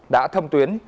đã thông tuyến